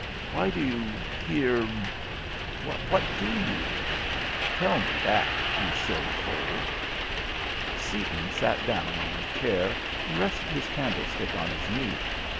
Why do you hear what you do hear? Tell me that, you silly foal!" Seaton sat down on a chair and rested his candlestick on his knee.